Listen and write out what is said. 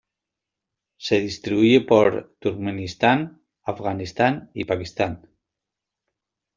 Se distribuye por Turkmenistán, Afganistán y Pakistán.